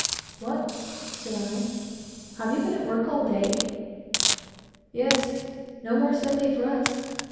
"What," said I, "have you been at work all day?" "Yes! no more Sunday for us.